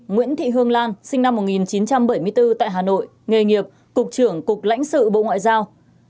nguyễn thị hương lan sinh năm một nghìn chín trăm bảy mươi bốn tại hà nội nghề nghiệp cục trưởng cục lãnh sự bộ ngoại giao